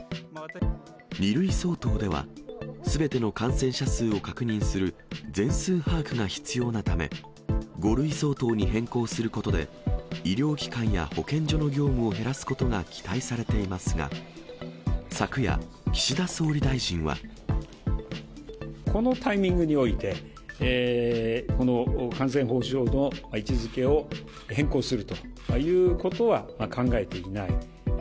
２類相当では、すべての感染者数を確認する全数把握が必要なため、５類相当に変更することで、医療機関や保健所の業務を減らすことが期待されていますが、昨夜、岸田総理大臣は。このタイミングにおいて、この感染法上の位置づけを変更するということは考えていない。